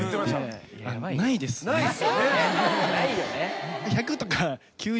ないよね。